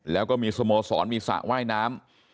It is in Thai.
แล้วก็มีสโมสรมีสระว่ายน้ำ